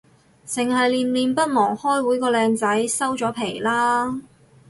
剩係念念不忘開會個靚仔，收咗皮喇